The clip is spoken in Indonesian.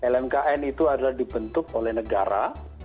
lmkn itu adalah dibentuk oleh negara